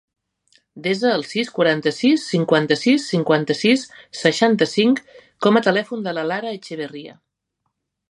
Desa el sis, quaranta-sis, cinquanta-sis, cinquanta-sis, seixanta-cinc com a telèfon de la Lara Etxeberria.